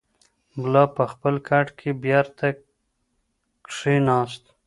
ملا په خپل کټ کې بېرته کښېناست.